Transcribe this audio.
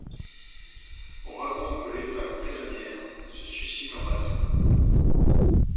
On raconte que les femmes prisonnières se suicident en masse.